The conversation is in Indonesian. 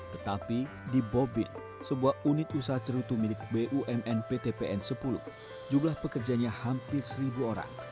tetapi di bobil sebuah unit usaha cerutu milik bumn ptpn sepuluh jumlah pekerjaannya hampir seribu orang